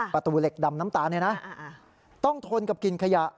ประตูเหล็กดำน้ำตาลเนี่ยนะต้องทนกับกลิ่นขยะ